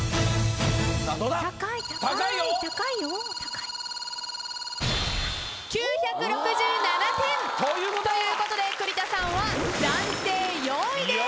高いよ！ということで栗田さんは暫定４位です。